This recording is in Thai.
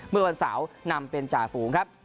เมื่อวันเสาร์นำเป็นจ่าฝูงครับ